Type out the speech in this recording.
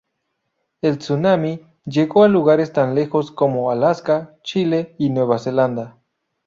El tsunami llegó a lugares tan lejos como Alaska, Chile y Nueva Zelanda.